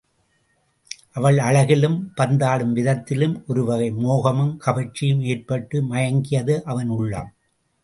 அவள் அழகிலும் பந்தாடும் விதத்திலும் ஒரு வகை மோகமும் கவர்ச்சியும் ஏற்பட்டு மயங்கியது அவன் உள்ளம்.